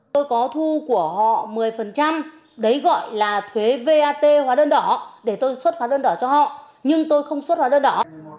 tôi có thu của họ một mươi đấy gọi là thuế vat hóa đơn đỏ để tôi xuất hóa đơn đỏ cho họ nhưng tôi không xuất hóa đơn đó